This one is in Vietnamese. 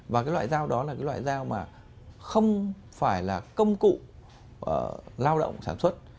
và cái loại dao đó là cái loại dao mà không phải là công cụ lao động sản xuất